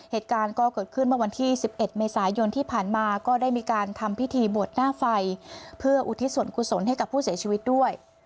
เหตุการณ์ก็เกิดขึ้นเมื่อวันที่๑๑เมษายนที่ผ่านมาก็ได้มีการทำพิธีบวชหน้าไฟเพื่ออุทิศส่วนกุศลให้กับผู้เสียชีวิตด้วย